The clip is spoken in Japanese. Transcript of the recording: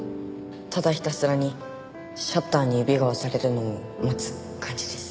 ただひたすらにシャッターが指に押されるのを待つ感じです。